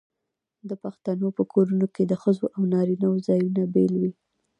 د پښتنو په کورونو کې د ښځو او نارینه وو ځایونه بیل وي.